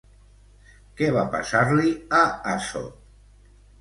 Què va passar-li a Asop?